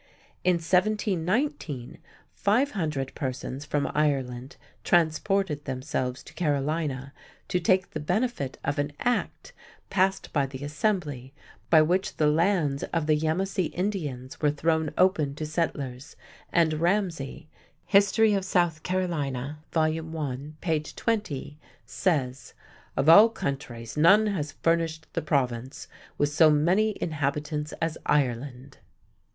In 1719, 500 persons from Ireland transported themselves to Carolina to take the benefit of an Act passed by the Assembly by which the lands of the Yemmassee Indians were thrown open to settlers, and Ramsay (History of South Carolina, vol. I, page 20) says: "Of all countries none has furnished the Province with so many inhabitants as Ireland."